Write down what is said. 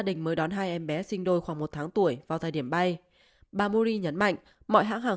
quan hai em bé sinh đôi khoảng một tháng tuổi vào thời điểm bay bà moony nhấn mạnh mọi hãng hàng